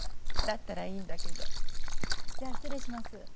だったらいいんだけど。じゃあ失礼します。